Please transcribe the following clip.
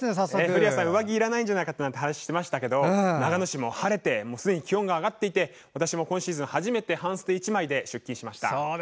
古谷さんも上着いらないなんて話をしてましたが長野市もよく晴れて気温も上がっていて私も今シーズン初めて半袖で出勤しました。